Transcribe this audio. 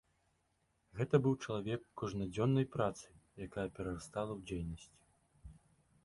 Гэта быў чалавек кожнадзённай працы, якая перарастала ў дзейнасць.